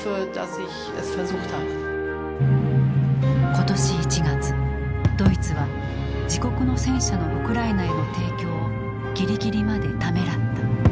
今年１月ドイツは自国の戦車のウクライナへの提供をぎりぎりまでためらった。